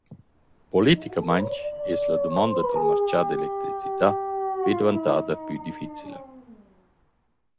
Politicamaing es la dumonda dal marchà d’electricità be dvantada plü difficila.»